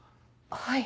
はい。